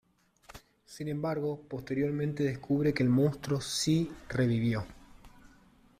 Sin embargo, posteriormente descubre que el monstruo si revivió.